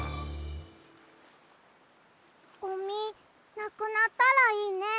ゴミなくなったらいいね。